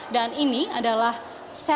dan ini adalah sel